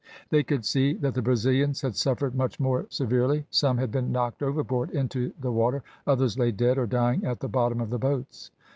They could see that the Brazilians had suffered much more severely. Some had been knocked overboard into the water; others lay dead or dying at the bottom of the boats.